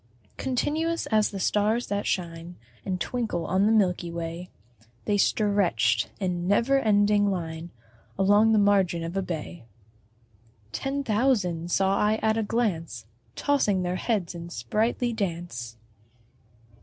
Continuous as the stars that shine And twinkle on the milky way, They stretch'd in never ending line Along the margin of a bay: Ten thousand saw I at a glance Tossing their heads in sprightly dance.